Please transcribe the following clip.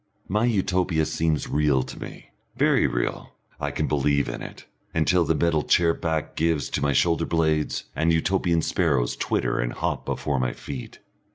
My Utopia seems real to me, very real, I can believe in it, until the metal chair back gives to my shoulder blades, and Utopian sparrows twitter and hop before my feet.